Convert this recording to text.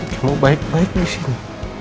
kamu baik baik disini